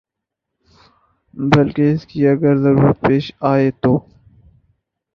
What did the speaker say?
بلکہ اس کی اگر ضرورت پیش آئے تو